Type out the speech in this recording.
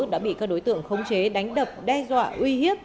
đã bị các đối tượng khống chế đánh đập đe dọa uy hiếp